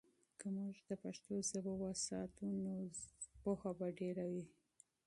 که موږ د پښتو ژبه وساتو، نو علم به ډیر وي.